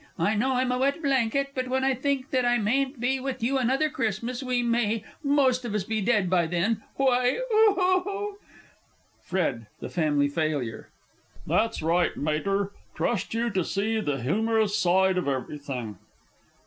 I know I'm a wet blanket; but, when I think that I mayn't be with you another Christmas, we may most of us be dead by then, why. FRED (the Family Failure). That's right, Mater trust you to see the humorous side of everything!